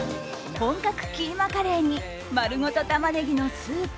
本格キーマカレーに丸ごとたまねぎのスープ。